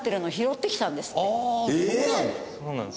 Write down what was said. そうなんです。